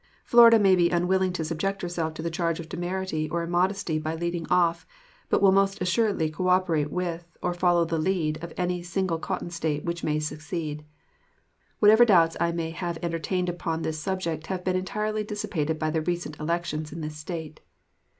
Florida may be unwilling to subject herself to the charge of temerity or immodesty by leading off, but will most assuredly cooperate with or follow the lead of any single Cotton State which may secede. Whatever doubts I may have entertained upon this subject have been entirely dissipated by the recent elections in this State.